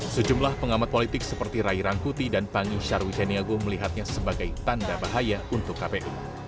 sejumlah pengamat politik seperti rai rangkuti dan pangi sharwiceniago melihatnya sebagai tanda bahaya untuk kpu